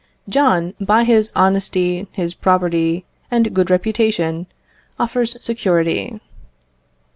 John, by his honesty, his property, and good reputation, offers security.